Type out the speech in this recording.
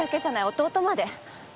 弟まで。